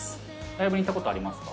ライブ行ったことありますか。